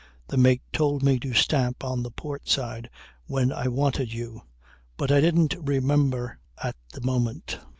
"The mate told me to stamp on the port side when I wanted you; but I didn't remember at the moment."